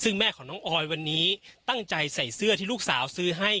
ซึ่งแม่ของน้องออยวันนี้ตั้งใจใส่เสื้อที่ลูกสาวซื้อให้